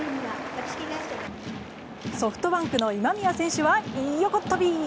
ソフトバンクの今宮選手は横っ飛び。